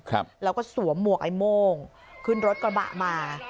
ครับแล้วก็สวมหมวกไอ้โม่งขึ้นรถกระบะมา